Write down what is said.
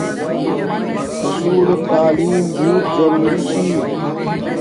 حصول تعلیم بوت ضروری چھی